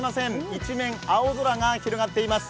一面青空が広がっています。